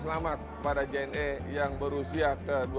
selamat pada jna yang berusia ke dua puluh sembilan